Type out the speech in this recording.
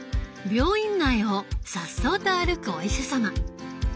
病院内をさっそうと歩くお医者様。